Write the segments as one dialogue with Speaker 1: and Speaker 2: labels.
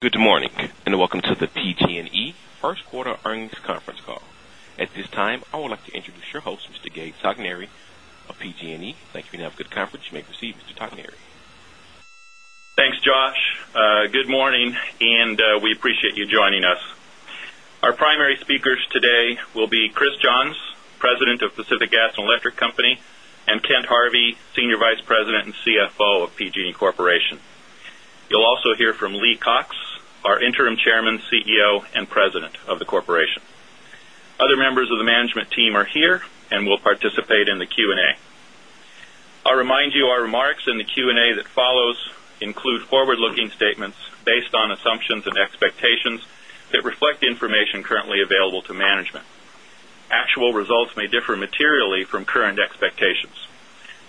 Speaker 1: Good morning and welcome to the PG&E first quarter earnings conference call. At this time, I would like to introduce your host, Mr. Gabe Togneri of PG&E. Thank you for having a good conference. You may proceed, Mr. Togneri.
Speaker 2: Thanks, Josh. Good morning, and we appreciate you joining us. Our primary speakers today will be Chris Johns, President of Pacific Gas and Electric Company, and Kent Harvey, Senior Vice President and CFO of PG&E Corporation. You'll also hear from Lee Cox, our Interim Chairman, CEO, and President of the Corporation. Other members of the management team are here and will participate in the Q&A. I’ll remind you our remarks in the Q&A that follow include forward-looking statements based on assumptions and expectations that reflect information currently available to management. Actual results may differ materially from current expectations.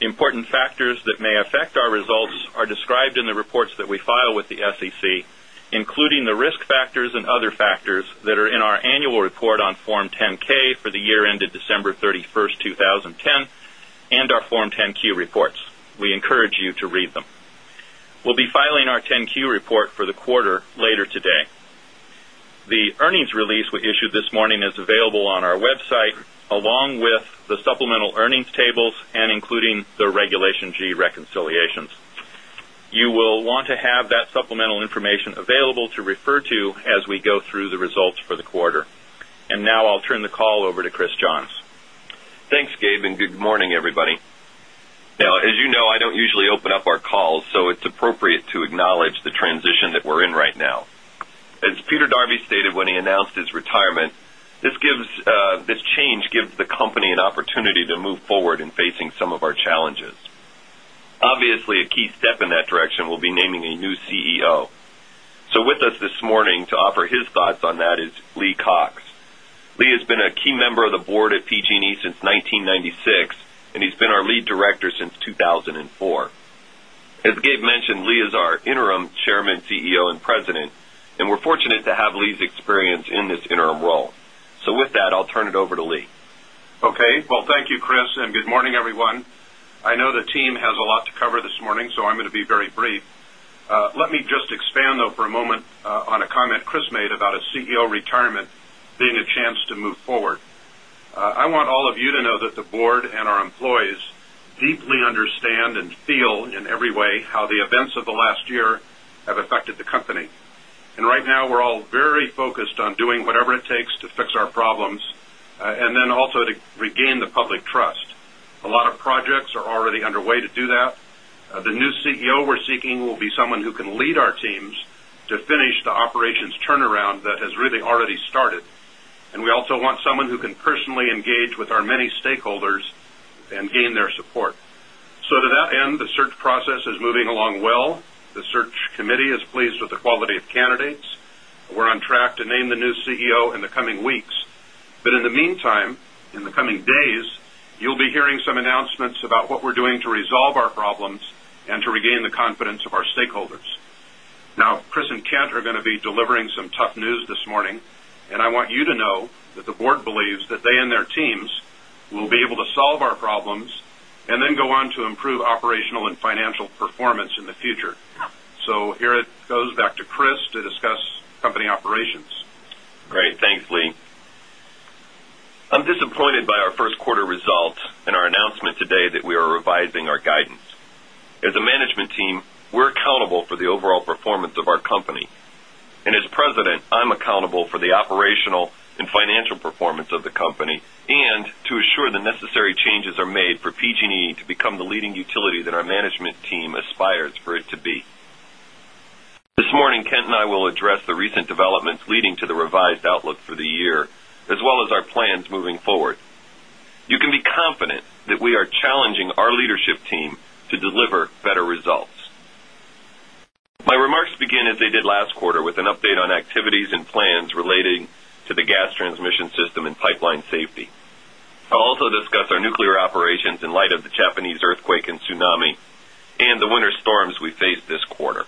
Speaker 2: Important factors that may affect our results are described in the reports that we file with the SEC, including the risk factors and other factors that are in our annual report on Form 10-K for the year ended December 31st, 2010, and our Form 10-Q reports. We encourage you to read them. We'll be filing our 10-Q report for the quarter later today. The earnings release we issued this morning is available on our website along with the supplemental earnings tables, including the Regulation G reconciliations. You will want to have that supplemental information available to refer to as we go through the results for the quarter. Now I'll turn the call over to Chris Johns.
Speaker 3: Thanks, Gabe, and good morning, everybody. Now, as you know, I don't usually open up our calls, so it's appropriate to acknowledge the transition that we're in right now. As Peter Darbee stated when he announced his retirement, this change, this change gives the company an opportunity to move forward in facing some of our challenges. Obviously, a key step in that direction will be naming a new CEO. With us this morning to offer his thoughts on that is Lee Cox. Lee has been a key member of the board at PG&E since 1996, and he's been our Lead Director since 2004. As Gabe mentioned, Lee is our Interim Chairman, CEO, and President, and we're fortunate to have Lee's experience in this interim role. With that, I'll turn it over to Lee.
Speaker 4: Thank you, Chris, and good morning, everyone. I know the team has a lot to cover this morning, so I'm going to be very brief. Let me just expand for a moment on a comment Chris made about a CEO retirement being a chance to move forward. I want all of you to know that the board and our employees deeply understand and feel in every way how the events of the last year have affected the company. Right now, we're all very focused on doing whatever it takes to fix our problems and also to regain the public trust. A lot of projects are already underway to do that. The new CEO we're seeking will be someone who can lead our teams to finish the operations turnaround that has really already started. We also want someone who can personally engage with our many stakeholders and gain their support. To that end, the search process is moving along well. The search committee is pleased with the quality of candidates. We're on track to name the new CEO in the coming weeks. In the meantime, in the coming days, you'll be hearing some announcements about what we're doing to resolve our problems and to regain the confidence of our stakeholders. Chris and Kent are going to be delivering some tough news this morning, and I want you to know that the board believes that they and their teams will be able to solve our problems and go on to improve operational and financial performance in the future. Here it goes back to Chris to discuss company operations.
Speaker 3: Great. Thanks, Lee. I'm disappointed by our first quarter results and our announcement today that we are revising our guidance. As a management team, we're accountable for the overall performance of our company. As President, I'm accountable for the operational and financial performance of the company and to assure the necessary changes are made for PG&E to become the leading utility that our management team aspires for it to be. This morning, Kent and I will address the recent developments leading to the revised outlook for the year, as well as our plans moving forward. You can be confident that we are challenging our leadership team to deliver better results. My remarks begin as they did last quarter with an update on activities and plans relating to the gas transmission system and pipeline safety. I'll also discuss our nuclear operations in light of the Japanese earthquake and tsunami and the winter storms we faced this quarter.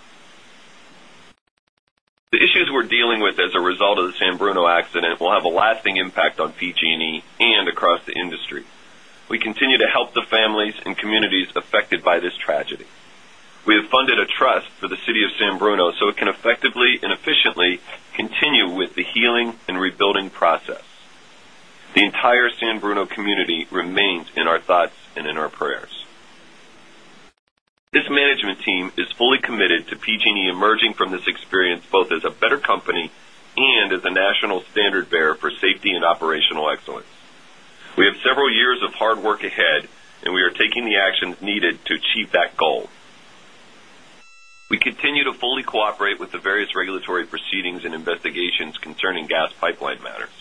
Speaker 3: The issues we're dealing with as a result of the San Bruno accident will have a lasting impact on PG&E and across the industry. We continue to help the families and communities affected by this tragedy. We have funded a trust for the city of San Bruno so it can effectively and efficiently continue with the healing and rebuilding process. The entire San Bruno community remains in our thoughts and in our prayers. This management team is fully committed to PG&E emerging from this experience both as a better company and as a national standard bearer for safety and operational excellence. We have several years of hard work ahead, and we are taking the actions needed to achieve that goal. We continue to fully cooperate with the various regulatory proceedings and investigations concerning gas pipeline matters.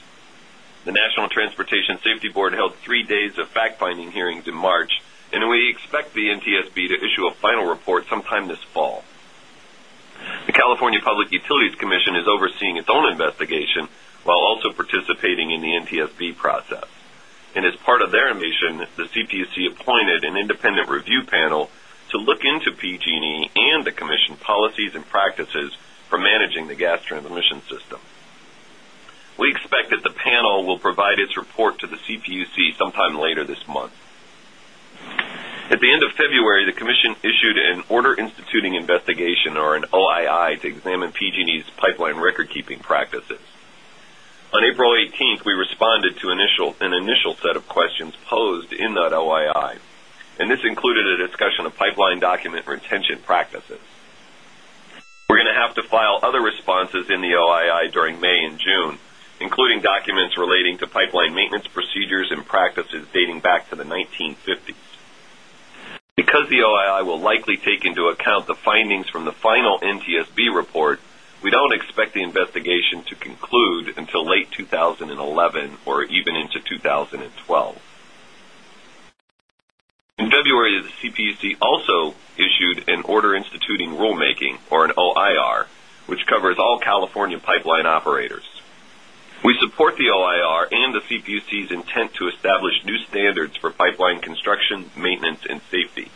Speaker 3: The National Transportation Safety Board held three days of fact-finding hearings in March, and we expect the NTSB to issue a final report sometime this fall. The California Public Utilities Commission is overseeing its own investigation while also participating in the NTSB process. As part of their mission, the CPUC appointed an independent review panel to look into PG&E and the commission policies and practices for managing the gas transmission system. We expect that the panel will provide its report to the CPUC sometime later this month. At the end of February, the commission issued an Order Instituting Investigation, or an OII, to examine PG&E's pipeline record-keeping practices. On April 18th, we responded to an initial set of questions posed in that OII, and this included a discussion of pipeline document retention practices. We are going to have to file other responses in the OII during May and June, including documents relating to pipeline maintenance procedures and practices dating back to the 1950s. Because the OII will likely take into account the findings from the final NTSB report, we don't expect the investigation to conclude until late 2011 or even into 2012. In February, the CPUC also issued an Order Instituting Rulemaking or an OIR, which covers all California pipeline operators. We support the OIR and the CPUC's intent to establish new standards for pipeline construction, maintenance, and safety.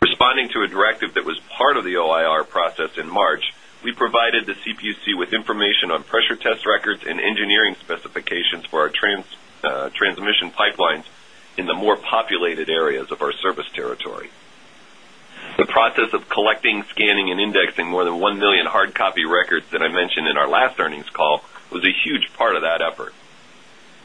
Speaker 3: Responding to a directive that was part of the OIR process in March, we provided the CPUC with information on pressure test records and engineering specifications for our transmission pipelines in the more populated areas of our service territory. The process of collecting, scanning, and indexing more than 1 million hard copy records that I mentioned in our last earnings call was a huge part of that effort.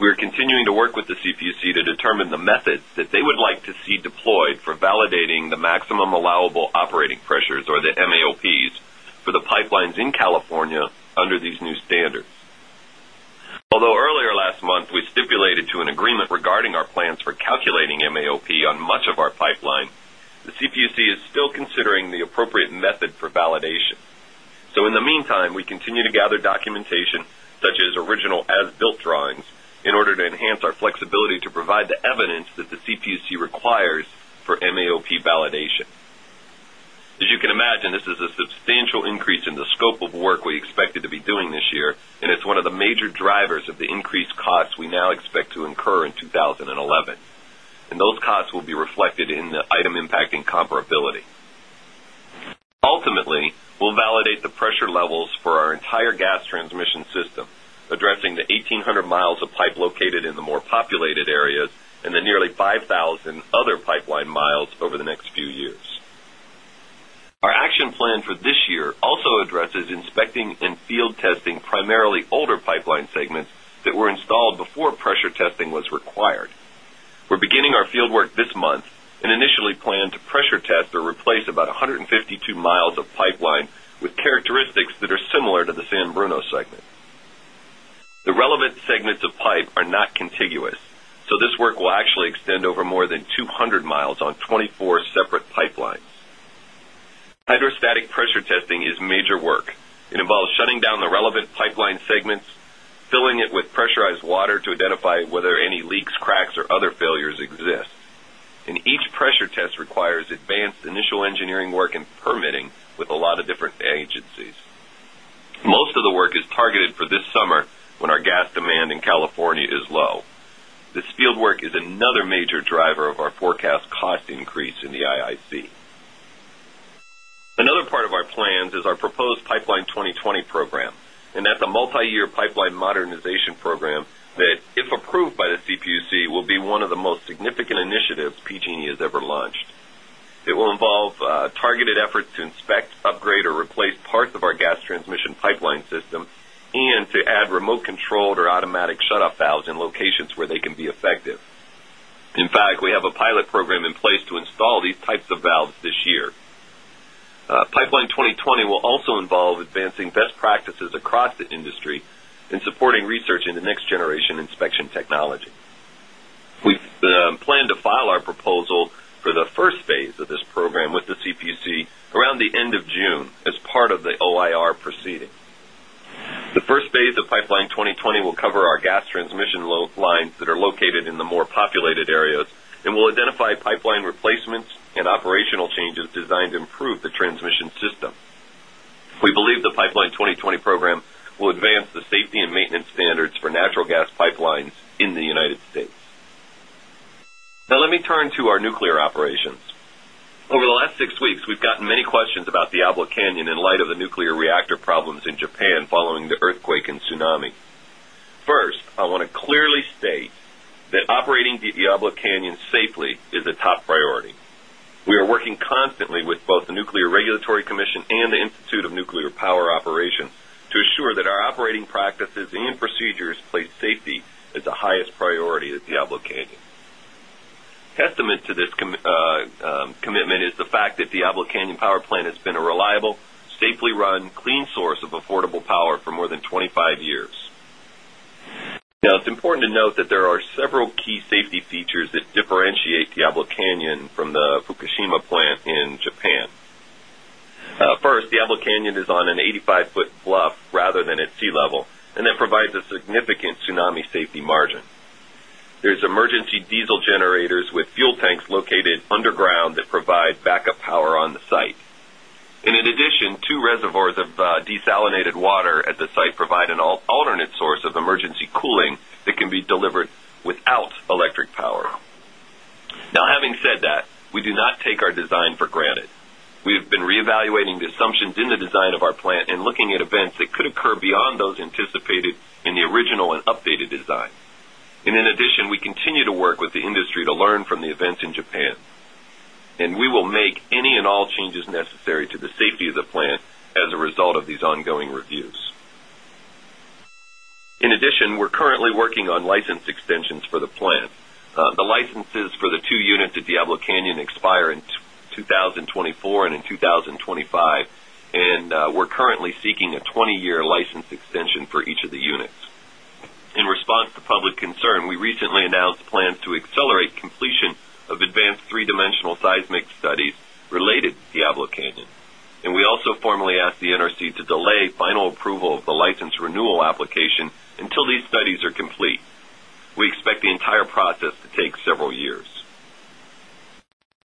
Speaker 3: We are continuing to work with the CPUC to determine the methods that they would like to see deployed for validating the maximum allowable operating pressures or the MAOPs for the pipelines in California under these new standards. Although earlier last month, we stipulated to an agreement regarding our plans for calculating MAOP on much of our pipeline, the CPUC is still considering the appropriate method for validation. In the meantime, we continue to gather documentation such as original as-built drawings in order to enhance our flexibility to provide the evidence that the CPUC requires for MAOP validation. As you can imagine, this is a substantial increase in the scope of work we expected to be doing this year, and it is one of the major drivers of the increased costs we now expect to incur in 2011. Those costs will be reflected in the item impacting comparability. Ultimately, we will validate the pressure levels for our entire gas transmission system, addressing the 1,800 mi of pipe located in the more populated areas and the nearly 5,000 other pipeline miles over the next few years. Our action plan for this year also addresses inspecting and field testing primarily older pipeline segments that were installed before pressure testing was required. We're beginning our fieldwork this month and initially plan to pressure test or replace about 152 mi of pipeline with characteristics that are similar to the San Bruno segment. The relevant segments of pipe are not contiguous, so this work will actually extend over more than 200 mi on 24 separate pipelines. Hydrostatic pressure testing is major work. It involves shutting down the relevant pipeline segments, filling it with pressurized water to identify whether any leaks, cracks, or other failures exist. Each pressure test requires advanced initial engineering work and permitting with a lot of different agencies. Most of the work is targeted for this summer when our gas demand in California is low. This fieldwork is another major driver of our forecast cost increase in the IIC. Another part of our plans is our proposed Pipeline 2020 program, and that's a multi-year pipeline modernization program that, if approved by the CPUC, will be one of the most significant initiatives PG&E has ever launched. It will involve targeted efforts to inspect, upgrade, or replace parts of our gas transmission pipeline system and to add remote-controlled or automatic shut-off valves in locations where they can be effective. In fact, we have a pilot program in place to install these types of valves this year. Pipeline 2020 will also involve advancing best practices across the industry and supporting research into next-generation inspection technology. We've planned to file our proposal for the first phase of this program with the CPUC around the end of June as part of the OIR proceeding. The first phase of Pipeline 2020 will cover our gas transmission lines that are located in the more populated areas and will identify pipeline replacements and operational changes designed to improve the transmission system. We believe the Pipeline 2020 program will advance the safety and maintenance standards for natural gas pipelines in the United States. Now, let me turn to our nuclear operations. Over the last six weeks, we've gotten many questions about Diablo Canyon in light of the nuclear reactor problems in Japan following the earthquake and tsunami. First, I want to clearly state that operating Diablo Canyon safely is a top priority. We are working constantly with both the Nuclear Regulatory Commission and the Institute of Nuclear Power Operations to assure that our operating practices and procedures place safety at the highest priority at Diablo Canyon. Testament to this commitment is the fact that Diablo Canyon Power Plant has been a reliable, safely run, clean source of affordable power for more than 25 years. Now, it's important to note that there are several key safety features that differentiate Diablo Canyon from the Fukushima plant in Japan. First, Diablo Canyon is on an 85-ft bluff rather than at sea level, and that provides a significant tsunami safety margin. There are emergency diesel generators with fuel tanks located underground that provide backup power on the site. In addition, two reservoirs of desalinated water at the site provide an alternate source of emergency cooling that can be delivered without electric power. Now, having said that, we do not take our design for granted. We have been reevaluating the assumptions in the design of our plant and looking at events that could occur beyond those anticipated in the original and updated design. In addition, we continue to work with the industry to learn from the events in Japan. We will make any and all changes necessary to the safety of the plant as a result of these ongoing reviews. In addition, we're currently working on license extensions for the plant. The licenses for the two units at Diablo Canyon expire in 2024 and in 2025, and we're currently seeking a 20-year license extension for each of the units. In response to public concern, we recently announced plans to accelerate completion of advanced three-dimensional seismic studies related to Diablo Canyon. We also formally asked the NRC to delay final approval of the license renewal application until these studies are complete. We expect the entire process to take several years.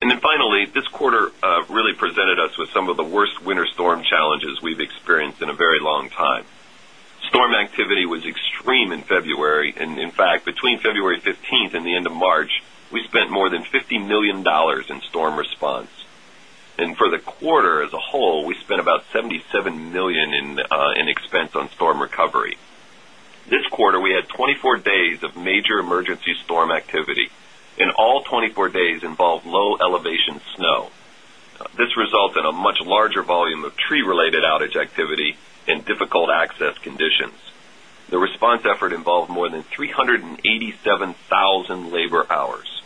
Speaker 3: Finally, this quarter really presented us with some of the worst winter storm challenges we've experienced in a very long time. Storm activity was extreme in February, and in fact, between February 15th and the end of March, we spent more than $50 million in storm response. For the quarter as a whole, we spent about $77 million in expense on storm recovery. This quarter, we had 24 days of major emergency storm activity, and all 24 days involved low elevation snow. This results in a much larger volume of tree-related outage activity and difficult access conditions. The response effort involved more than 387,000 labor hours.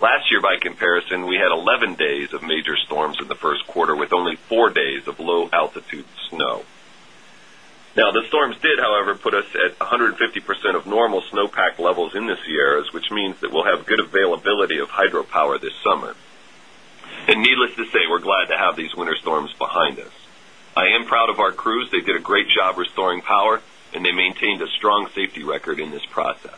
Speaker 3: Last year, by comparison, we had 11 days of major storms in the first quarter with only four days of low altitude snow. Now, the storms did, however, put us at 150% of normal snowpack levels in this year, which means that we'll have good availability of hydropower this summer. Needless to say, we're glad to have these winter storms behind us. I am proud of our crews. They did a great job restoring power, and they maintained a strong safety record in this process.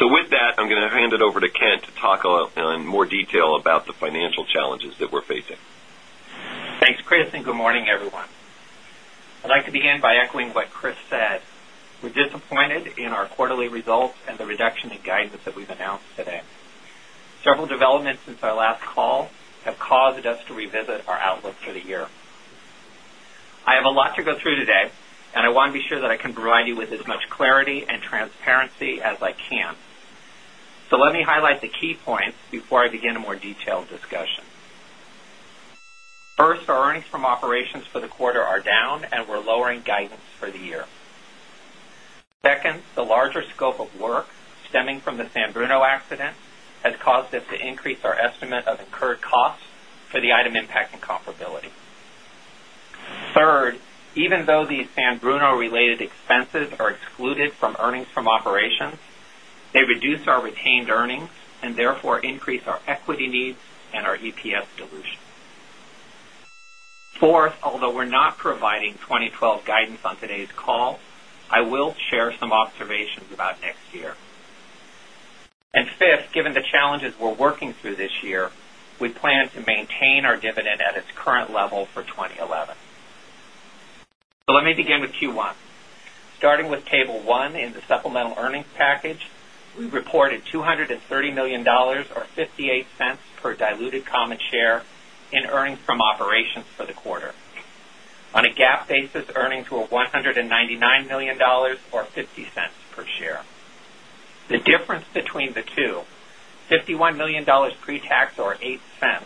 Speaker 3: With that, I'm going to hand it over to Kent to talk in more detail about the financial challenges that we're facing.
Speaker 5: Thanks, Chris, and good morning, everyone. I'd like to begin by echoing what Chris said. We're disappointed in our quarterly results and the reduction in guidance that we've announced today. Several developments since our last call have caused us to revisit our outlook for the year. I have a lot to go through today, and I want to be sure that I can provide you with as much clarity and transparency as I can. Let me highlight the key points before I begin a more detailed discussion. First, our earnings from operations for the quarter are down, and we're lowering guidance for the year. Second, the larger scope of work stemming from the San Bruno accident has caused us to increase our estimate of incurred costs for the item impacting comparability. Third, even though these San Bruno-related expenses are excluded from earnings from operations, they reduce our retained earnings and therefore increase our equity needs and our EPS dilution. Fourth, although we're not providing 2012 guidance on today's call, I will share some observations about next year. Fifth, given the challenges we're working through this year, we plan to maintain our dividend at its current level for 2011. Let me begin with Q1. Starting with Table 1 in the supplemental earnings package, we've reported $230 million or $0.58 per diluted common share in earnings from operations for the quarter. On a GAAP basis, earnings were $199 million or $0.50 per share. The difference between the two, $51 million pre-tax or $0.08,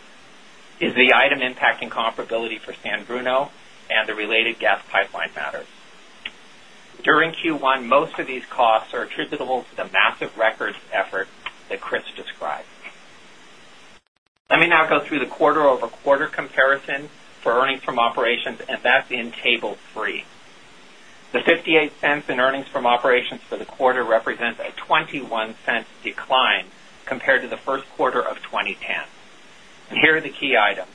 Speaker 5: is the item impacting comparability for San Bruno and the related gas pipeline matter. During Q1, most of these costs are attributable to the massive records effort that Chris described. Let me now go through the quarter-over-quarter comparison for earnings from operations, and that's in Table 3. The $0.58 in earnings from operations for the quarter represents a $0.21 decline compared to the first quarter of 2010. Here are the key items.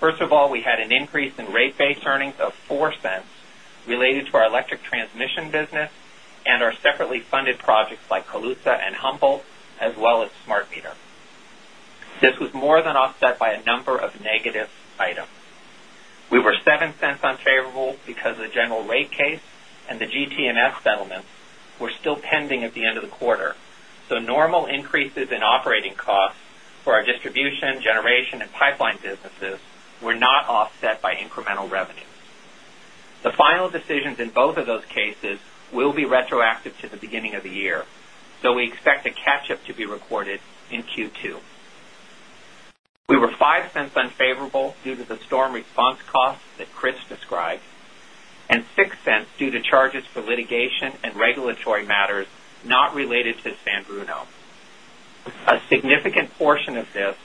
Speaker 5: First of all, we had an increase in rate-based earnings of $0.04 related to our electric transmission business and our separately funded projects like Colusa and Humboldt, as well as SmartMeter. This was more than offset by a number of negative items. We were $0.07 unfavorable because of the general rate case, and the GT&S settlements were still pending at the end of the quarter. Normal increases in operating costs for our distribution, generation, and pipeline businesses were not offset by incremental revenues. The final decisions in both of those cases will be retroactive to the beginning of the year, though we expect a catch-up to be recorded in Q2. We were $0.05 unfavorable due to the storm response costs that Chris described and $0.06 due to charges for litigation and regulatory matters not related to San Bruno. A significant portion of this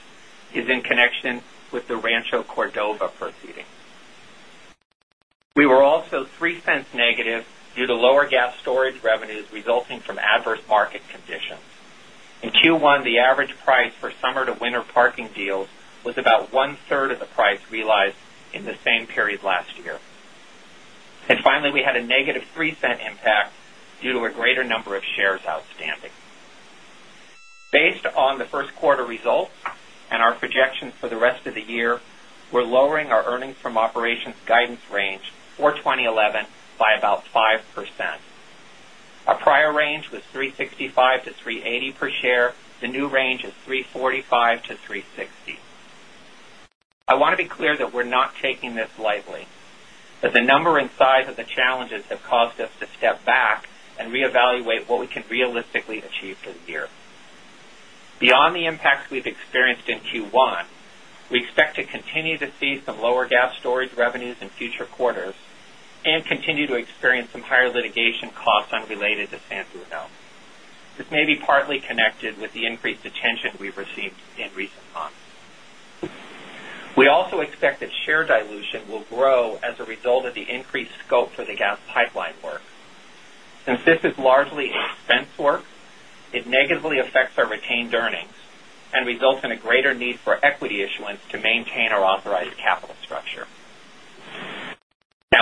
Speaker 5: is in connection with the Rancho Cordova proceeding. We were also -$0.03 due to lower gas storage revenues resulting from adverse market conditions. In Q1, the average price for summer-to-winter parking deals was about one-third of the price realized in the same period last year. Finally, we had a -$0.03 impact due to a greater number of shares outstanding. Based on the first quarter results and our projections for the rest of the year, we're lowering our earnings from operations guidance range for 2011 by about 5%. Our prior range was $3.65-$3.80 per share. The new range is $3.45-$3.60. I want to be clear that we're not taking this lightly, that the number and size of the challenges have caused us to step back and reevaluate what we can realistically achieve for the year. Beyond the impacts we've experienced in Q1, we expect to continue to see some lower gas storage revenues in future quarters and continue to experience some higher litigation costs unrelated to San Bruno. This may be partly connected with the increased attention we've received in recent months. We also expect that share dilution will grow as a result of the increased scope for the gas pipeline work. Since this is largely expense work, it negatively affects our retained earnings and results in a greater need for equity issuance to maintain our authorized capital structure.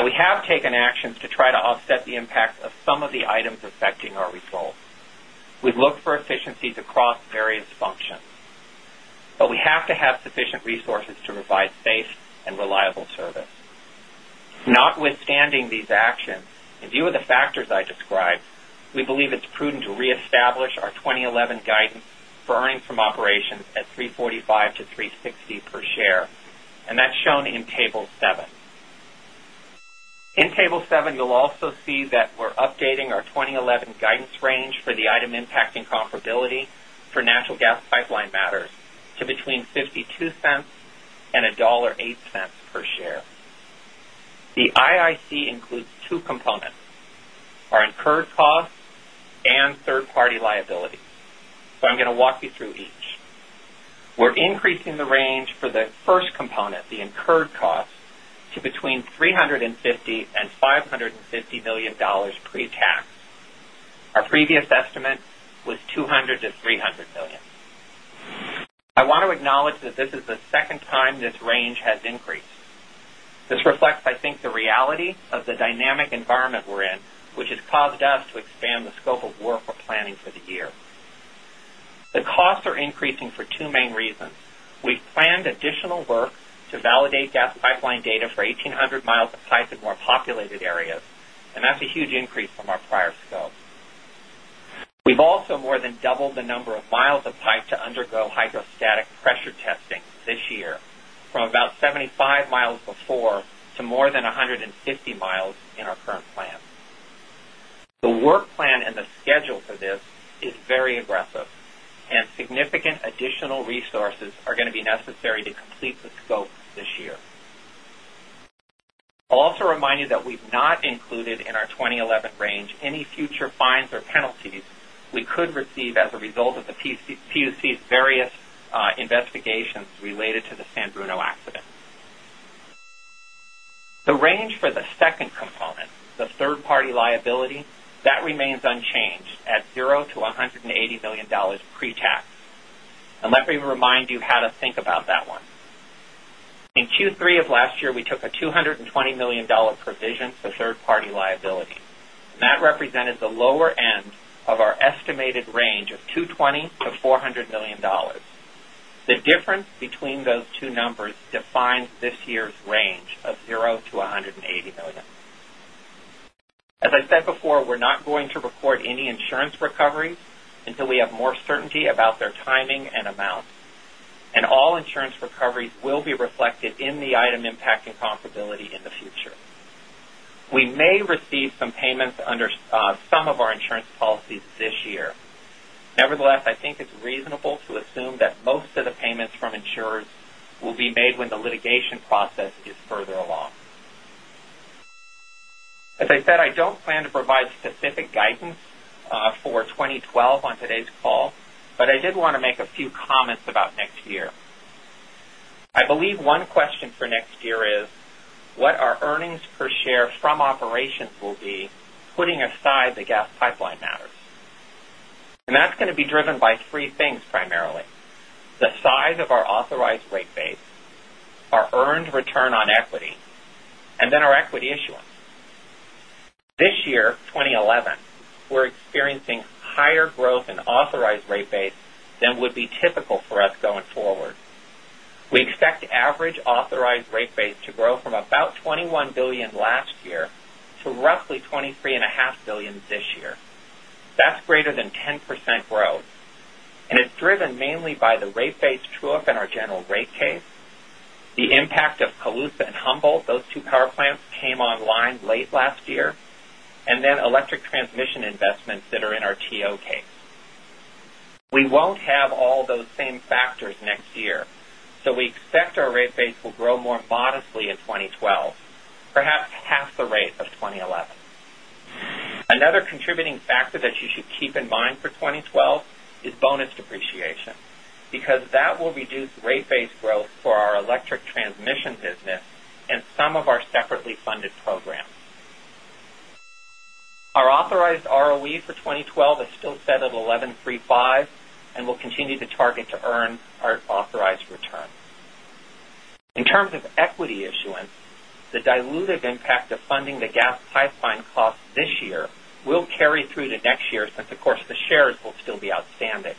Speaker 5: We have taken actions to try to offset the impacts of some of the items affecting our results. We've looked for efficiencies across various functions, but we have to have sufficient resources to provide safe and reliable service. Notwithstanding these actions, in view of the factors I described, we believe it's prudent to reestablish our 2011 guidance for earnings from operations at $3.45-$3.60 per share, and that's shown in Table 7. In Table 7, you'll also see that we're updating our 2011 guidance range for the item impacting comparability for natural gas pipeline matters to between $0.52 and $1.08 per share. The IIC includes two components: our incurred costs and third-party liability. I'm going to walk you through each. We're increasing the range for the first component, the incurred costs, to between $350 million and $550 million pre-tax. Our previous estimate was $200 million-$300 million. I want to acknowledge that this is the second time this range has increased. This reflects, I think, the reality of the dynamic environment we're in, which has caused us to expand the scope of work we're planning for the year. The costs are increasing for two main reasons. We've planned additional work to validate gas pipeline data for 1,800 mi of pipe in more populated areas, and that's a huge increase from our prior scope. We've also more than doubled the number of miles of pipe to undergo hydrostatic testing this year, from about 75 mi before to more than 150 mi in our current plan. The work plan and the schedule for this is very aggressive, and significant additional resources are going to be necessary to complete the scope this year. I'll also remind you that we've not included in our 2011 range any future fines or penalties we could receive as a result of the CPUC's various investigations related to the San Bruno accident. The range for the second component, the third-party liability, that remains unchanged at $0-$180 million pre-tax. Let me remind you how to think about that one. In Q3 of last year, we took a $220 million provision for third-party liability, and that represented the lower end of our estimated range of $220 million-$400 million. The difference between those two numbers defines this year's range of $0-$180 million. As I said before, we're not going to record any insurance recoveries until we have more certainty about their timing and amount. All insurance recoveries will be reflected in the item impacting comparability in the future. We may receive some payments under some of our insurance policies this year. Nevertheless, I think it's reasonable to assume that most of the payments from insurers will be made when the litigation process is further along. I don't plan to provide specific guidance for 2012 on today's call, but I did want to make a few comments about next year. I believe one question for next year is what our earnings per share from operations will be, putting aside the gas pipeline matters. That's going to be driven by three things primarily: the size of our authorized rate base, our earned return on equity, and then our equity issuance. This year, 2011, we're experiencing higher growth in authorized rate base than would be typical for us going forward. We expect average authorized rate base to grow from about $21 billion last year to roughly $23.5 billion this year. That's greater than 10% growth. It's driven mainly by the rate base true up in our general rate case, the impact of Colusa and Humboldt, those two power plants came online late last year, and then electric transmission investments that are in our TO case. We won't have all those same factors next year, so we expect our rate base will grow more modestly in 2012, perhaps half the rate of 2011. Another contributing factor that you should keep in mind for 2012 is bonus depreciation because that will reduce rate base growth for our electric transmission business and some of our separately funded programs. Our authorized ROE for 2012 is still set at 11.35% and will continue to target to earn our authorized return. In terms of equity issuance, the diluted impact of funding the gas pipeline costs this year will carry through to next year since, of course, the shares will still be outstanding.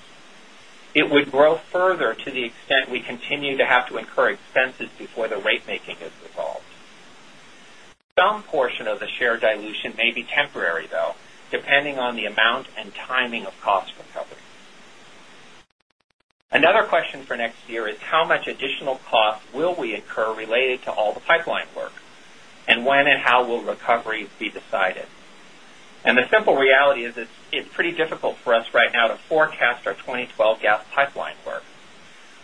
Speaker 5: It would grow further to the extent we continue to have to incur expenses before the rate making is resolved. Some portion of the share dilution may be temporary, though, depending on the amount and timing of cost recovery. Another question for next year is how much additional cost will we incur related to all the pipeline work and when and how will recoveries be decided? The simple reality is it's pretty difficult for us right now to forecast our 2012 gas pipeline work.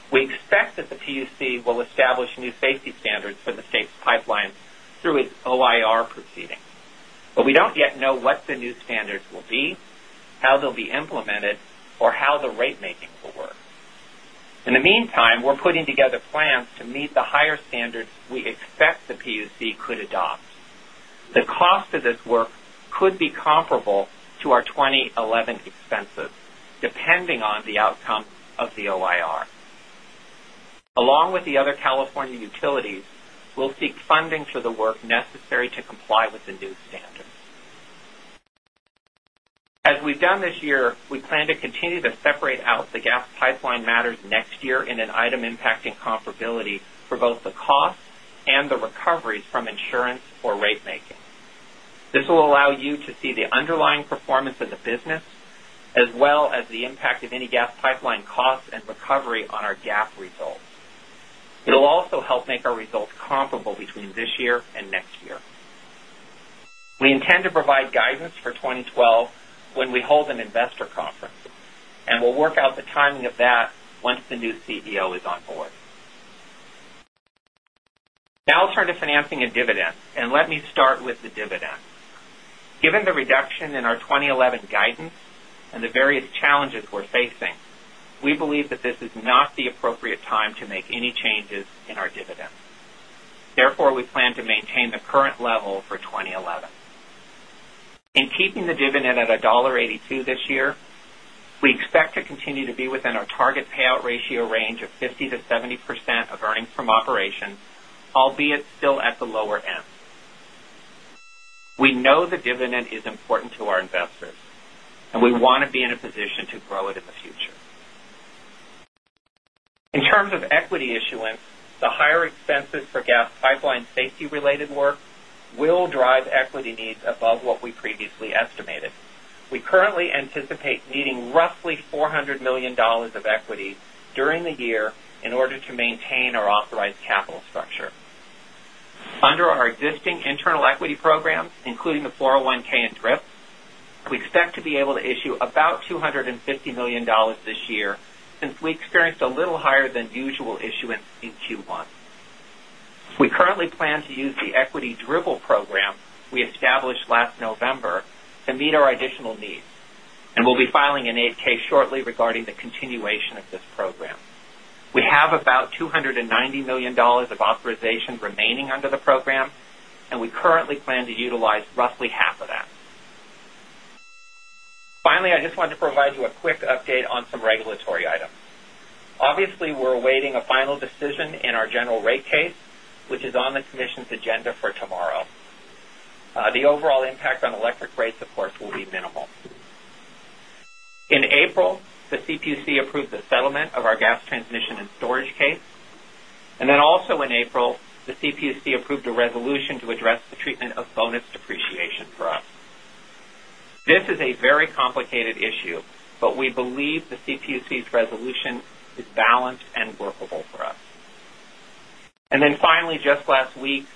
Speaker 5: We expect that the CPUC will establish new safety standards for the state's pipelines through its OIR proceeding, but we don't yet know what the new standards will be, how they'll be implemented, or how the rate making will work. In the meantime, we're putting together plans to meet the higher standards we expect the CPUC could adopt. The cost of this work could be comparable to our 2011 expenses, depending on the outcome of the OIR. Along with the other California utilities, we'll seek funding for the work necessary to comply with the new standards. As we've done this year, we plan to continue to separate out the gas pipeline matters next year in an item impacting comparability for both the costs and the recoveries from insurance or rate making. This will allow you to see the underlying performance of the business as well as the impact of any gas pipeline costs and recovery on our gas results. It'll also help make our results comparable between this year and next year. We intend to provide guidance for 2012 when we hold an investor conference, and we'll work out the timing of that once the new CEO is on board. Now, I'll turn to financing and dividends, and let me start with the dividend. Given the reduction in our 2011 guidance and the various challenges we're facing, we believe that this is not the appropriate time to make any changes in our dividends. Therefore, we plan to maintain the current level for 2011. In keeping the dividend at $1.82 this year, we expect to continue to be within our target payout ratio range of 50%-70% of earnings from operations, albeit still at the lower end. We know the dividend is important to our investments, and we want to be in a position to grow it in the future. In terms of equity issuance, the higher expenses for gas pipeline safety-related work will drive equity needs above what we previously estimated. We currently anticipate needing roughly $400 million of equity during the year in order to maintain our authorized capital structure. Under our existing internal equity programs, including the 401(k) and DRIPs, we expect to be able to issue about $250 million this year since we experienced a little higher than usual issuance in Q1. We currently plan to use the equity dribble program we established last November to meet our additional needs, and we'll be filing an 8-K shortly regarding the continuation of this program. We have about $290 million of authorization remaining under the program, and we currently plan to utilize roughly half of that. Finally, I just want to provide you a quick update on some regulatory items. Obviously, we're awaiting a final decision in our general rate case, which is on the commission's agenda for tomorrow. The overall impact on electric rates, of course, will be minimal. In April, the CPUC approved the settlement of our gas transmission and storage case, and then also in April, the CPUC approved a resolution to address the treatment of bonus depreciation for us. This is a very complicated issue, but we believe the CPUC's resolution is balanced and workable for us. Finally, just last week,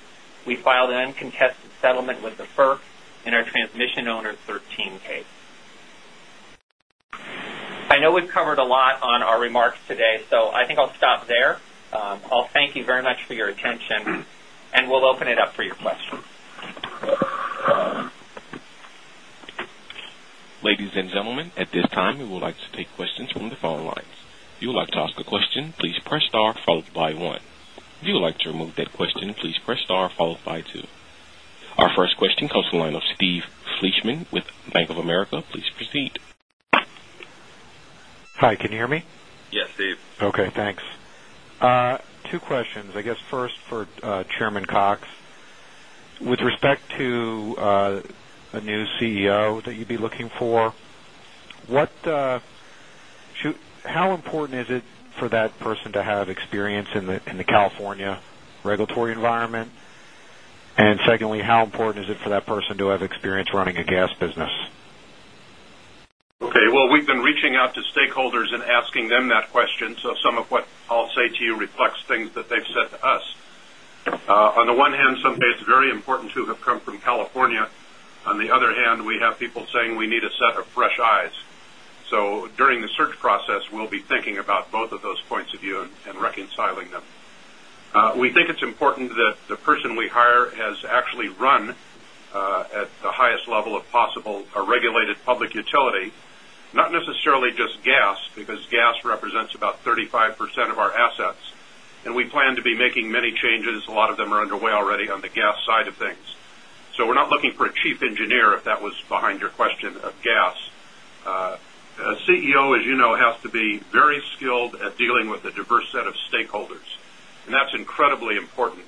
Speaker 5: we filed an uncontested settlement with the FERC in our transmission owner 13 case. I know we've covered a lot on our remarks today, so I think I'll stop there. Thank you very much for your attention, and we'll open it up for your questions.
Speaker 1: Ladies and gentlemen, at this time, we would like to take questions from the following lines. If you would like to ask a question, please press star followed by one. If you would like to remove that question, please press star followed by two. Our first question comes from the line of Steve Fleishman with Bank of America. Please proceed.
Speaker 6: Hi, can you hear me?
Speaker 3: Yes, Steve.
Speaker 6: Okay, thanks. Two questions. I guess first for Chairman Cox. With respect to a new CEO that you'd be looking for, how important is it for that person to have experience in the California regulatory environment? Secondly, how important is it for that person to have experience running a gas business?
Speaker 4: Okay. We've been reaching out to stakeholders and asking them that question. Some of what I'll say to you reflects things that they've said to us. On the one hand, somebody says it is very important to have come from California. On the other hand, we have people saying we need a set of fresh eyes. During the search process, we'll be thinking about both of those points of view and reconciling them. We think it's important that the person we hire has actually run at the highest level possible a regulated public utility, not necessarily just gas, because gas represents about 35% of our assets. We plan to be making many changes. A lot of them are underway already on the gas side of things. We're not looking for a Chief Engineer, if that was behind your question of gas. A CEO, as you know, has to be very skilled at dealing with a diverse set of stakeholders. That's incredibly important.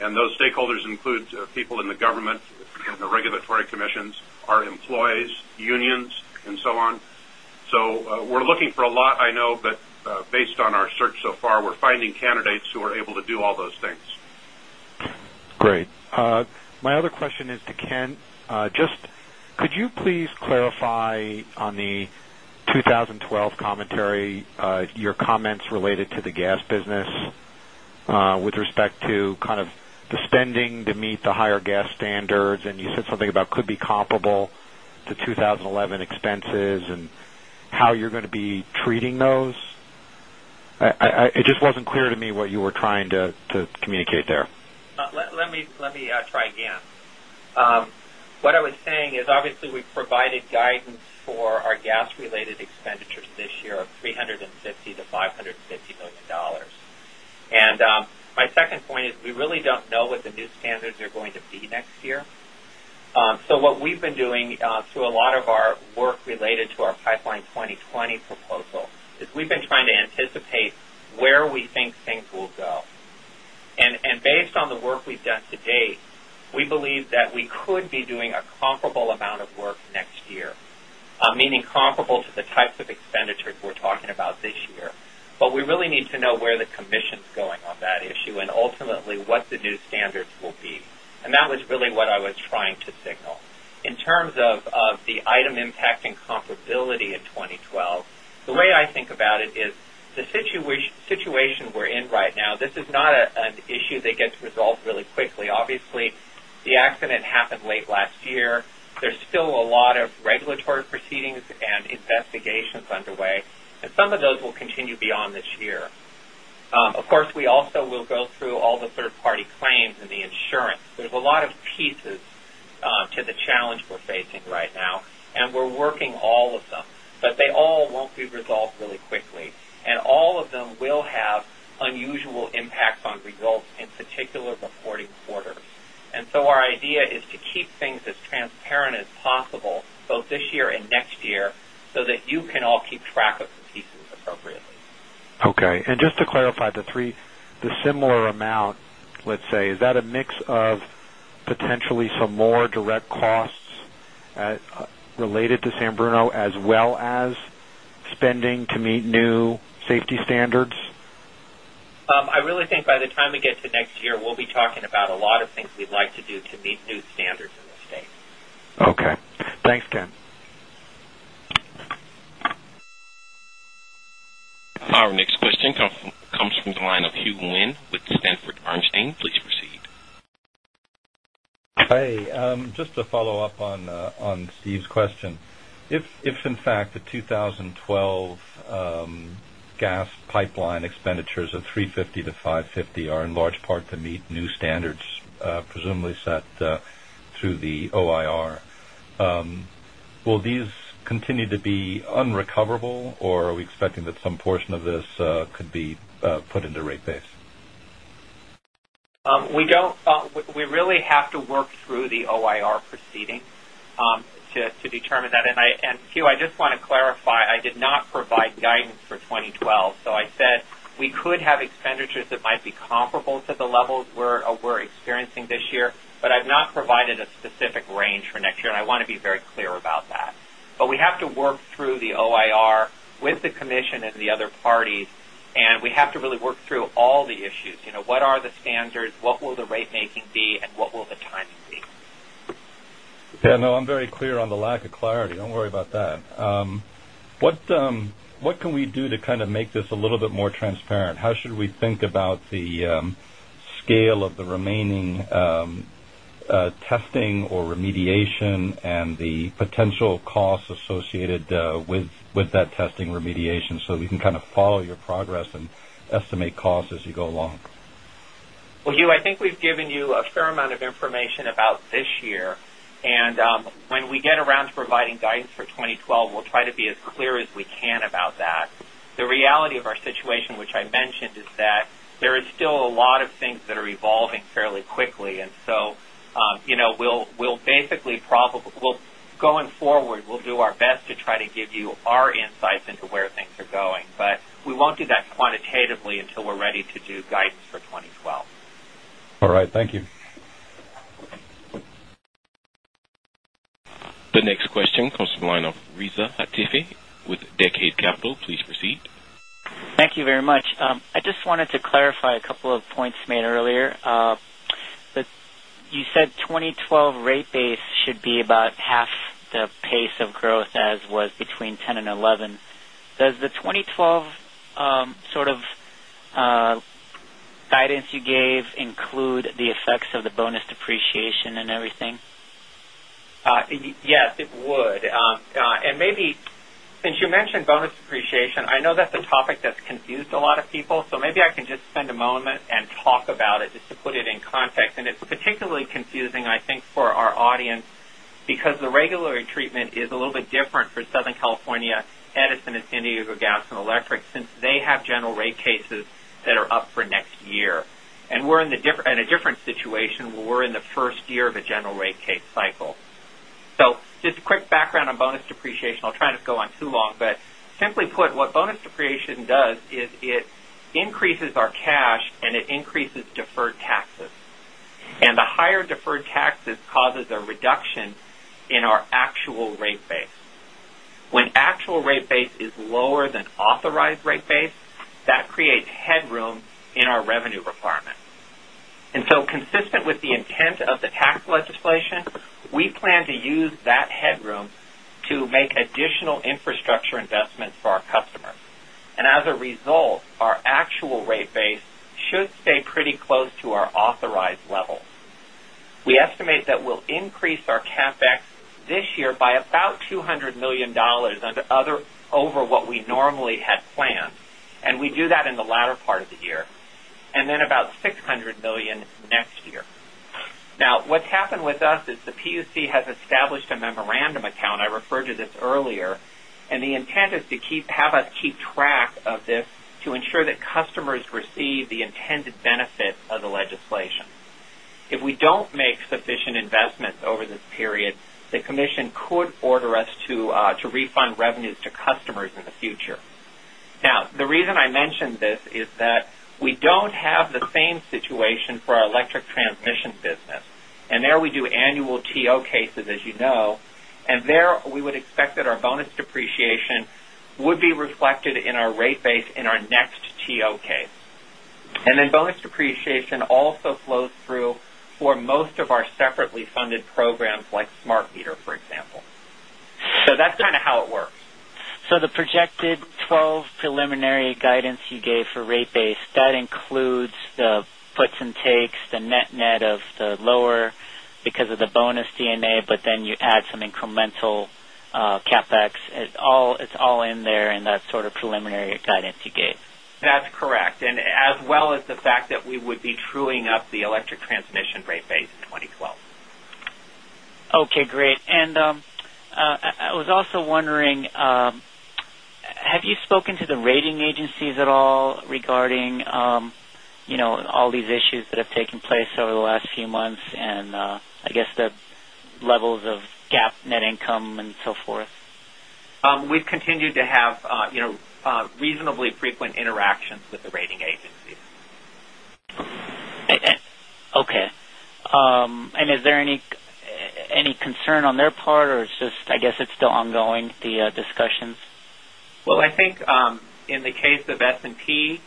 Speaker 4: Those stakeholders include people in the government and the regulatory commission, our employees, unions, and so on. We're looking for a lot. I know that based on our search so far, we're finding candidates who are able to do all those things.
Speaker 6: Great. My other question is to Kent, just could you please clarify on the 2012 commentary, your comments related to the gas business with respect to kind of the spending to meet the higher gas standards? You said something about could be comparable to 2011 expenses and how you're going to be treating those. It just wasn't clear to me what you were trying to communicate there.
Speaker 5: Let me try again. What I was saying is obviously we provided guidance for our gas-related expenditures this year of $350 million-$550 million. My second point is we really don't know what the new standards are going to be next year. What we've been doing through a lot of our work related to our Pipeline 2020 proposal is we've been trying to anticipate where we think things will go. Based on the work we've done today, we believe that we could be doing a comparable amount of work next year, meaning comparable to the types of expenditures we're talking about this year. We really need to know where the commission's going on that issue and ultimately what the new standards will be. That was really what I was trying to signal. In terms of the item impacting comparability in 2012, the way I think about it is the situation we're in right now, this is not an issue that gets resolved really quickly. Obviously, the accident happened late last year. There's still a lot of regulatory proceedings and investigations underway, and some of those will continue beyond this year. Of course, we also will go through all the third-party claims and the insurance. There's a lot of pieces to the challenge we're facing right now, and we're working all of them, but they all won't be resolved really quickly, and all of them will have unusual impacts on results in particular before the quarter. Our idea is to keep things as transparent as possible, both this year and next year, so that you can all keep track of the pieces appropriately.
Speaker 6: Okay. Just to clarify, the three, the similar amount, let's say, is that a mix of potentially some more direct costs related to San Bruno as well as spending to meet new safety standards?
Speaker 5: I really think by the time we get to next year, we'll be talking about a lot of things we'd like to do to meet new standards in this state.
Speaker 6: Okay. Thanks, Kent.
Speaker 1: Our next question comes from the line of Hugh Wynne with Sanford Bernstein. Please proceed.
Speaker 7: Hi. Just to follow up on Steve's question, if in fact the 2012 gas pipeline expenditures of $350 million-$550 million are in large part to meet new standards presumably set through the OIR, will these continue to be unrecoverable, or are we expecting that some portion of this could be put into rate base?
Speaker 5: We really have to work through the OIR proceeding to determine that. I just want to clarify, I did not provide guidance for 2012. I said we could have expenditures that might be comparable to the levels we're experiencing this year, but I've not provided a specific range for next year, and I want to be very clear about that. We have to work through the OIR with the commission and the other parties, and we have to really work through all the issues. You know, what are the standards, what will the rate making be, and what will the timing be.
Speaker 7: Yeah, no, I'm very clear on the lack of clarity. Don't worry about that. What can we do to kind of make this a little bit more transparent? How should we think about the scale of the remaining testing or remediation, and the potential costs associated with that testing remediation, so that we can kind of follow your progress and estimate costs as you go along?
Speaker 5: Hugh, I think we've given you a fair amount of information about this year. When we get around to providing guidance for 2012, we'll try to be as clear as we can about that. The reality of our situation, which I mentioned, is that there are still a lot of things that are evolving fairly quickly. You know, we'll basically, going forward, do our best to try to give you our insights into where things are going. We won't do that quantitatively until we're ready to do guidance for 2012.
Speaker 7: All right. Thank you.
Speaker 1: The next question comes from the line of Reza Hatefi with Decade Capital. Please proceed.
Speaker 8: Thank you very much. I just wanted to clarify a couple of points made earlier. You said 2012 rate base should be about half the pace of growth as was between 2010 and 2011. Does the 2012 sort of guidance you gave include the effects of the bonus depreciation and everything?
Speaker 5: Yes, it would. Maybe since you mentioned bonus depreciation, I know that's a topic that's confused a lot of people. Maybe I can just spend a moment and talk about it just to put it in context. It's particularly confusing, I think, for our audience because the regulatory treatment is a little bit different for Southern California Edison and San Diego Gas & Electric since they have general rate cases that are up for next year. We're in a different situation where we're in the first year of a general rate case cycle. Just a quick background on bonus depreciation. I'll try not to go on too long. Simply put, what bonus depreciation does is it increases our cash and it increases deferred taxes. The higher deferred taxes cause a reduction in our actual rate base. When actual rate base is lower than authorized rate base, that creates headroom in our revenue requirement. Consistent with the intent of the tax legislation, we plan to use that headroom to make additional infrastructure investments for our customers. As a result, our actual rate base should stay pretty close to our authorized levels. We estimate that we'll increase our CapEx this year by about $200 million over what we normally had planned. We do that in the latter part of the year, and then about $600 million next year. What's happened with us is the CPUC has established a memorandum account. I referred to this earlier. The intent is to have us keep track of this to ensure that customers receive the intended benefits of the legislation. If we don't make sufficient investments over this period, the commission could order us to refund revenues to customers in the future. The reason I mentioned this is that we don't have the same situation for our electric transmission business. There we do annual TO cases, as you know. There we would expect that our bonus depreciation would be reflected in our rate base in our next TO case. Bonus depreciation also flows through for most of our separately funded programs like SmartMeter, for example. That's kind of how it works.
Speaker 8: The projected 2012 preliminary guidance you gave for rate base includes the puts and takes, the net net of the lower because of the bonus DNA, but then you add some incremental CapEx. It's all in there in that sort of preliminary guidance you gave.
Speaker 5: That's correct, as well as the fact that we would be truing up the electric transmission rate base in 2012.
Speaker 8: Okay, great. I was also wondering, have you spoken to the rating agencies at all regarding all these issues that have taken place over the last few months, and I guess the levels of GAAP net income and so forth?
Speaker 5: We've continued to have reasonably frequent interactions with the rating agencies.
Speaker 8: Is there any concern on their part, or it's just I guess it's still ongoing, the discussions?
Speaker 5: In the case of S&P,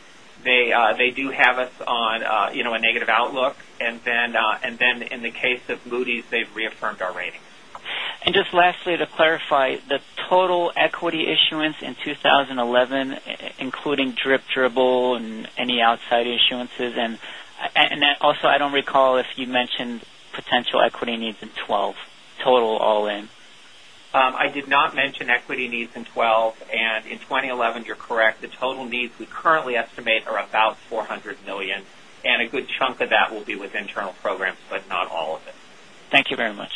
Speaker 5: they do have us on a negative outlook. In the case of Moody's, they've reaffirmed our rating.
Speaker 8: Lastly, to clarify, the total equity issuance in 2011, including DRIP, dribble, and any outside issuances? I don't recall if you mentioned potential equity needs in 2012, total all in.
Speaker 5: I did not mention equity needs in 2012. In 2011, you're correct. The total needs we currently estimate are about $400 million. A good chunk of that will be with internal programs, but not all of it.
Speaker 8: Thank you very much.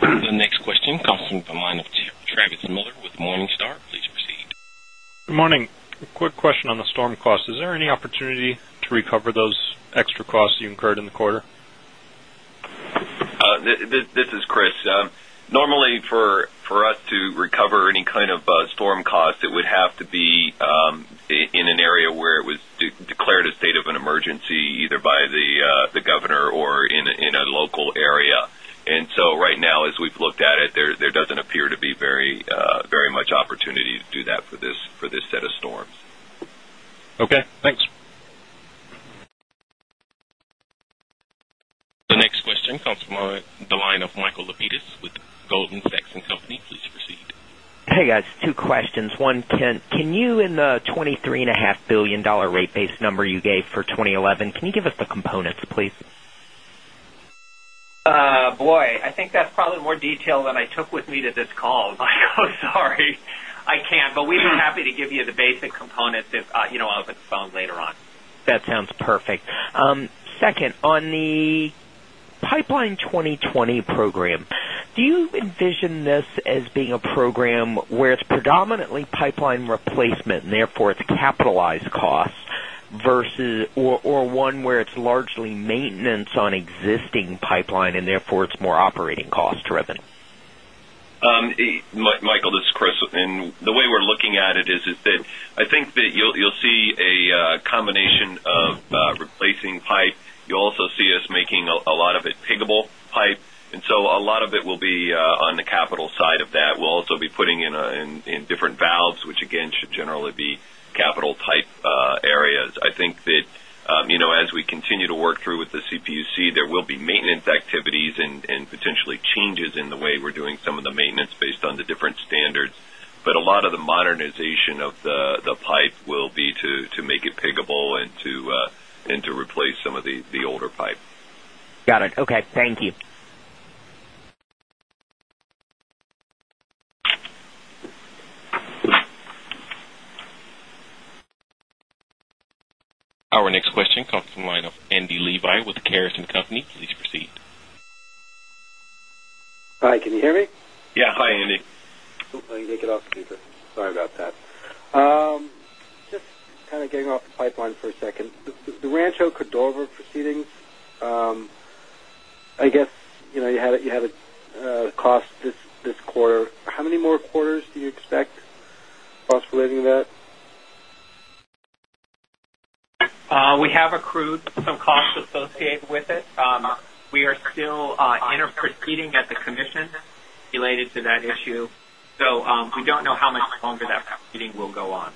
Speaker 1: The next question comes from the line of Travis Miller with Morningstar. Please proceed.
Speaker 9: Good morning. Quick question on the storm costs. Is there any opportunity to recover those extra costs you incurred in the quarter?
Speaker 3: This is Chris. Normally, for us to recover any kind of storm cost, it would have to be in an area where it was declared a state of emergency, either by the governor or in a local area. Right now, as we've looked at it, there doesn't appear to be very much opportunity to do that for this set of storms.
Speaker 9: Okay. Thanks.
Speaker 1: The next question comes from the line of Michael Lapidus with Goldman Sachs & Co. Please proceed.
Speaker 10: Hey, guys. Two questions. One, Kent, can you, in the $23.5 billion rate base number you gave for 2011, give us the components, please?
Speaker 5: I think that's probably more detail than I took with me to this call. I'm so sorry. I can't. We'd be happy to give you the basic components if you know of it later on.
Speaker 10: That sounds perfect. Second, on the Pipeline 2020 program, do you envision this as being a program where it's predominantly pipeline replacement and therefore it's capitalized costs, versus one where it's largely maintenance on existing pipeline and therefore it's more operating cost-driven?
Speaker 3: Michael, this is Chris. The way we're looking at it is that I think that you'll see a combination of replacing pipe. You'll also see us making a lot of it piggable pipe, so a lot of it will be on the capital side of that. We'll also be putting in different valves, which again should generally be capital type areas. I think that, as we continue to work through with the CPUC, there will be maintenance activities and potentially changes in the way we're doing some of the maintenance based on the different standards. A lot of the modernization of the pipe will be to make it piggable and to replace some of the older pipe.
Speaker 10: Got it. Okay, thank you.
Speaker 1: Our next question comes from the line of Andy Levi with the Caris & Co. Please proceed.
Speaker 11: Hi, can you hear me?
Speaker 3: Yeah. Hi, Andy.
Speaker 11: Sorry about that. Just kind of getting off the pipeline for a second. The Rancho Cordova proceedings, I guess you know, you had a cost this quarter. How many more quarters do you expect? Calculating that.
Speaker 5: We have accrued some costs associated with it. We are still in a proceeding at the Commission related to that issue, so we don't know how much longer that proceeding will go on.